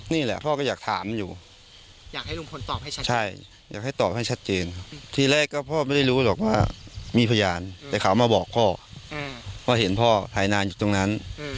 นี่แหละพ่อก็อยากถามอยู่อยากให้ลุงพลตอบให้ชัดใช่อยากให้ตอบให้ชัดเจนครับทีแรกก็พ่อไม่ได้รู้หรอกว่ามีพยานแต่เขามาบอกพ่อว่าเห็นพ่อหายนานอยู่ตรงนั้น